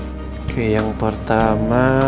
oke yang pertama